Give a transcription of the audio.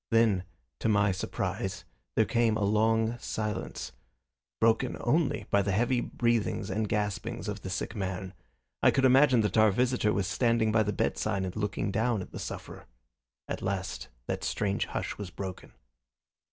Then, to my surprise, there came a long silence, broken only by the heavy breathings and gaspings of the sick man. I could imagine that our visitor was standing by the bedside and looking down at the sufferer. At last that strange hush was broken.